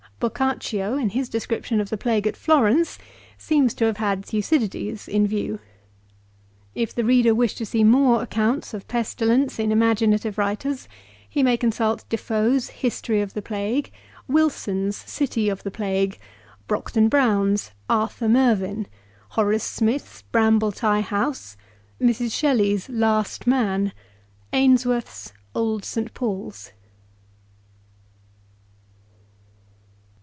Boccacio, in his descrii)tion of the plague at Florence, seems to have had Thucydides in view. If the reader wish to see more accounts of pestilence, in imagin ative writers, he may consult Defoe's "History of the Plague;'* Wilson's "City of the Plague :" Brockden Brown's "Arthur Mer vyn ;" Horace Smith's " Bramoletve House ;" Mrs, Shelley's " Last Man;" Ainsworth's " Old Saint taul's."